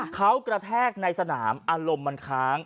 เขากระแทกในสนามอารมณ์มันค้าง